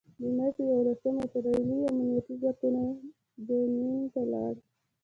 د مې په یوولسمه اسراييلي امنيتي ځواکونه جنین ته لاړل.